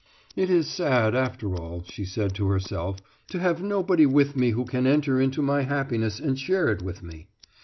"It is sad, after all," she said to herself, "to have nobody with me who can enter into my happiness and share it with me.